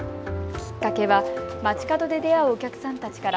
きっかけは街角で出会うお客さんたちから